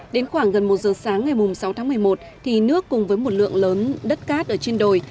đến khoảng gần một giờ sáng ngày sáu tháng một mươi một thì nước cùng với một lượng lớn đất cát ở trên đồi